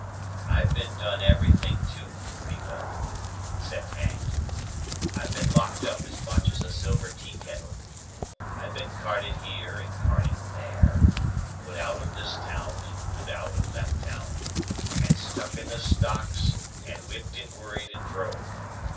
"I've been done everything to, pretty well—except hanged. I've been locked up as much as a silver tea kittle. I've been carted here and carted there, and put out of this town, and put out of that town, and stuck in the stocks, and whipped and worried and drove.